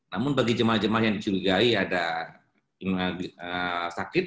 namun bagi jemaah jemaah yang dicurigai ada sakit